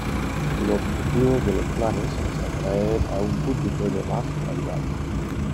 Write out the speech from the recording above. El objetivo de los planes es atraer a un público de más calidad